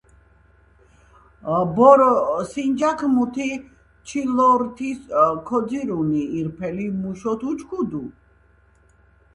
ბორო სინჯაქ მუთ ჩილორთის ქოძირუნი ირფელი მუშოთ უჩქუდუ